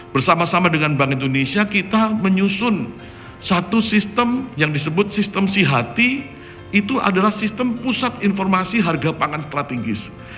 bersama sama dengan bank indonesia kita menyusun satu sistem yang disebut sistem si hati itu adalah sistem pusat informasi harga pangan strategis